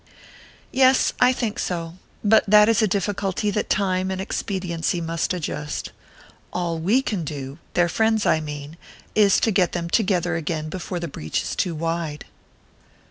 "Yes so I think; but that is a difficulty that time and expediency must adjust. All we can do their friends, I mean is to get them together again before the breach is too wide."